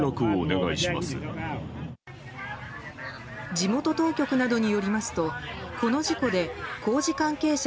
地元当局などによりますとこの事故で工事関係者